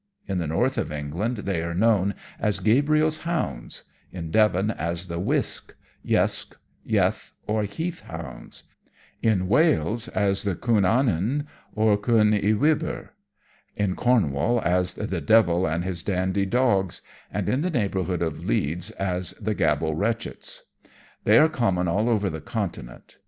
In the North of England they are known as "Gabriel's Hounds"; in Devon as the "Wisk," "Yesk," "Yeth," or "Heath Hounds"; in Wales as the "Cwn Annwn" or "Cyn y Wybr"; in Cornwall as the "Devil and his Dandy Dogs"; and in the neighbourhood of Leeds as the "Gabble Retchets." They are common all over the Continent.